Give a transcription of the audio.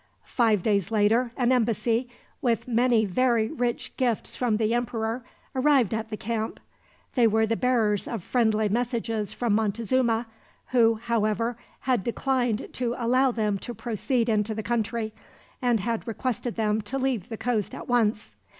Five days later an embassy, with many very rich gifts from the emperor, arrived at the camp. They were the bearers of friendly messages from Montezuma; who, however, had declined to allow them to proceed into the country, and had requested them to leave the coast at once.